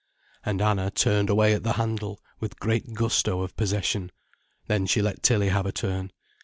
And Anna turned away at the handle, with great gusto of possession. Then she let Tilly have a turn.